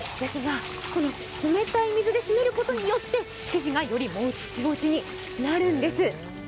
冷たい水で締めることによって生地がよりもっちもちになるんです。